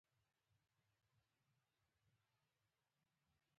ځان لوړ مه ګڼئ.